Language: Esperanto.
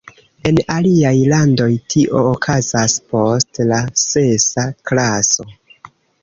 En aliaj landoj tio okazas post la sesa klaso.